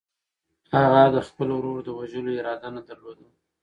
هغه د خپل ورور د وژلو اراده نه درلوده.